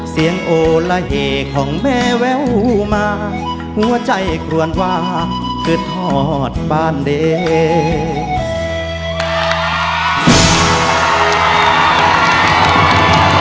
โอละเหตุของแม่แววมาหัวใจกรวนวาคือทอดบ้านเด